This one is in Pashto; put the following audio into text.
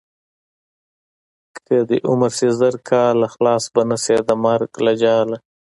که دې عمر شي زر کاله خلاص به نشې د مرګ له جاله.